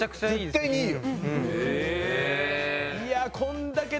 絶対にいいよ。